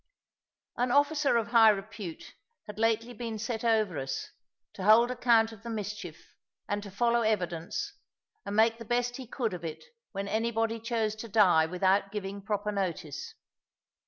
An officer of high repute had lately been set over us, to hold account of the mischief, and to follow evidence, and make the best he could of it when anybody chose to die without giving proper notice.